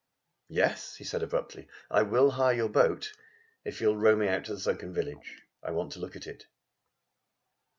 "Yes," he said abruptly. "I will hire your boat if you will row me out to the sunken village. I want to look at it."